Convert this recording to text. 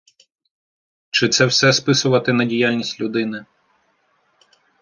Чи це все списувати на діяльність людини?